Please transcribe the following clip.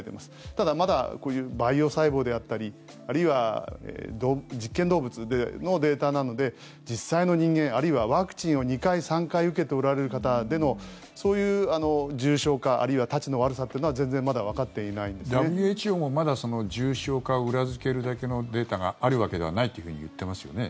ただ、こういう培養細胞であったりあるいは実験動物でのデータなので実際の人間あるいはワクチンを２回、３回受けておられる方でのそういう重症化あるいはたちの悪さというのはＷＨＯもまだ重症化を裏付けるだけのデータがないと言ってますよね。